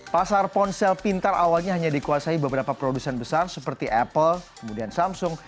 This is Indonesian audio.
pasar ponsel pintar awalnya hanya dikuasai beberapa produsen besar seperti apple kemudian samsung